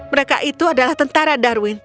mereka itu adalah tentara darwin